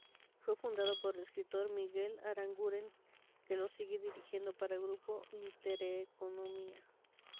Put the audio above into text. Fue fundado por el escritor Miguel Aranguren, que lo sigue dirigiendo para Grupo Intereconomía.